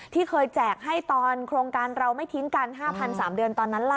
ที่เคยแจกให้ตอนโครงการเราไม่ทิ้งกัน๕๐๐๓เดือนตอนนั้นล่ะ